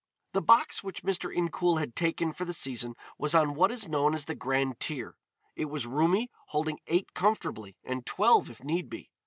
The box which Mr. Incoul had taken for the season was on what is known as the grand tier. It was roomy, holding eight comfortably and twelve if need be.